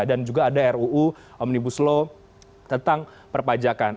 dan juga ada ruu omnibus law tentang perpajakan